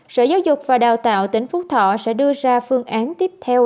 sở giáo dục và đào tạo tỉnh phú thọ sẽ đưa ra phương án tiếp theo